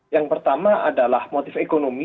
yang pertama adalah motif ekonomi